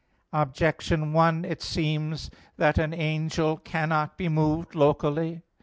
Objection 1: It seems that an angel cannot be moved locally.